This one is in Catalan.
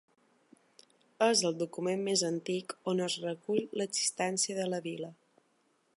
És el document més antic on es recull l'existència de la vila.